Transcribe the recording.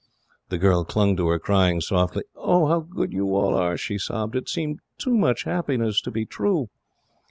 The girl clung to her, crying softly. "Oh, how good you all are!" she sobbed. "It seems too much happiness to be true."